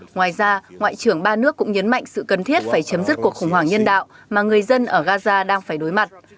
ngoài ra ngoại trưởng ba nước cũng nhấn mạnh sự cần thiết phải chấm dứt cuộc khủng hoảng nhân đạo mà người dân ở gaza đang phải đối mặt